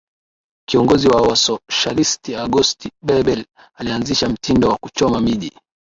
kiongozi wa wasoshalisti Agosti Bebel alianzisha mtindo wa kuchoma miji